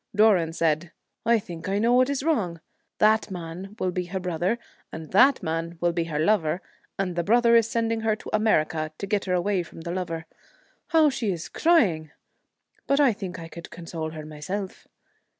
Doran said, ' I think I know what is wrong. That man will be her brother, and that man will be her lover, and the brother is sending her to America to get her away from the lover. How she is crying ! but I think I could console her myself.'